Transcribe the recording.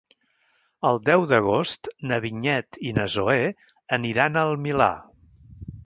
El deu d'agost na Vinyet i na Zoè aniran al Milà.